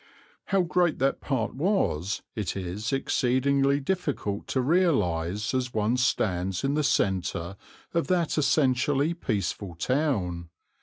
How great that part was it is exceedingly difficult to realize as one stands in the centre of that essentially peaceful town.